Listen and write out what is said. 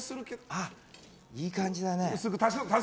あ、いい感じだね。